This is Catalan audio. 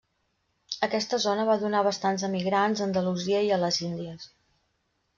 Aquesta zona va donar bastants emigrants a Andalusia i a les Índies.